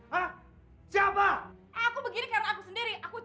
bila sama pak iwan saya sedang berjumpa dengan fans